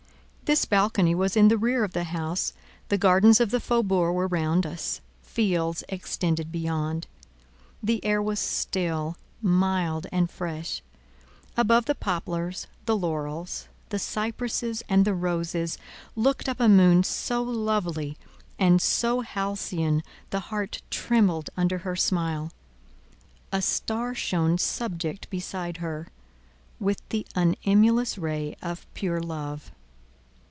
This balcony was in the rear of the house, the gardens of the faubourg were round us, fields extended beyond. The air was still, mild, and fresh. Above the poplars, the laurels, the cypresses, and the roses, looked up a moon so lovely and so halcyon, the heart trembled under her smile; a star shone subject beside her, with the unemulous ray of pure love.